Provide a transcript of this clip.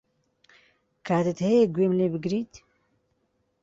کاتت هەیە گوێم لێ بگریت؟